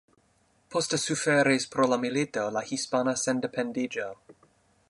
Poste suferis pro la Milito de Hispana Sendependiĝo.